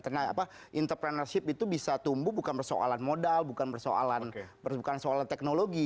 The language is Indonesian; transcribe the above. karena apa entrepreneurship itu bisa tumbuh bukan persoalan modal bukan persoalan teknologi